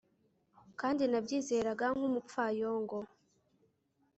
kandi nabyizeraga nkumupfayongo